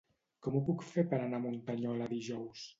Com ho puc fer per anar a Muntanyola dijous?